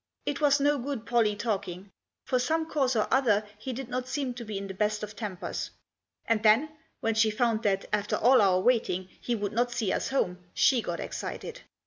It was no good Pollie talking. For some cause or other he did not seem to be in the best of tempers. And then, when she found that, after all our waiting, he would not see us home, she got excited.